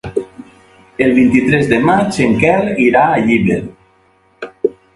El vint-i-tres de maig en Quel irà a Llíber.